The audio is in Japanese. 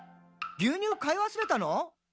牛乳買い忘れたの？」